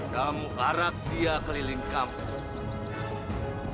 kamu arak dia keliling kampung